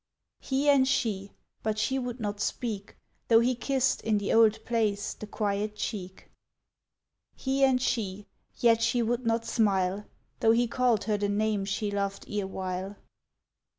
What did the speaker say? He and she; but she would not speak, Though he kissed, in the old place, the quiet cheek. He and she; yet she would not smile, Though he called her the name she loved ere while.